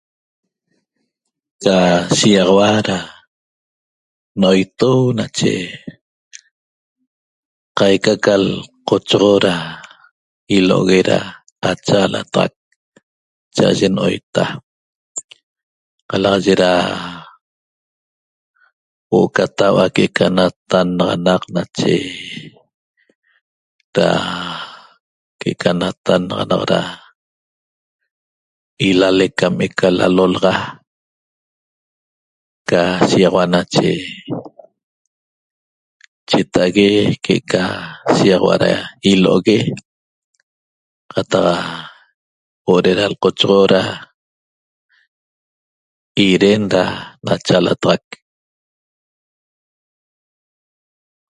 Da shiaxaua da noieto nache caica ca calchoxo da ilohogue da lachalataxaq chaaye nohieta calaxaye da huoo ca taua ca natannaxaqui nache da que ca na tannaxanaxaq ialeq ena lalolaxa ca shiaxaua nache chetaague que ca shiaxaua huoo ca ilohogue cataxa huoo ca lchoxo ihuen ca lachalataxaq